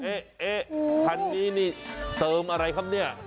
เอ๊ะคันนี้นี่เติมอะไรครับเนี่ย